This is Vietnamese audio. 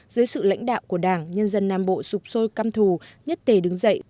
dưới sự lãnh đạo của đảng nhân dân nam bộ sụp sôi căm thù nhất tề đứng dậy